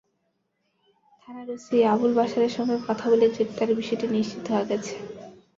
থানার ওসি আবুল বাশারের সঙ্গে কথা বলে গ্রেপ্তারের বিষয়টি নিশ্চিত হওয়া গেছে।